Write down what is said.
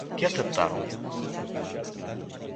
¿Que aceptaron?